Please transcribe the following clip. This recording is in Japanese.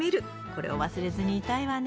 これを忘れずにいたいわね。